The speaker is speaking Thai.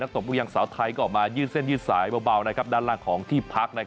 นักตบบุญกวิทยาลักษณ์เซาส์ไทยก็ออกมายื่นเส้นยื่นสายเบานะครับด้านล่างของที่พัก